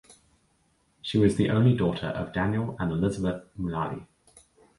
She was the only daughter of Daniel and Elizabeth Mulally.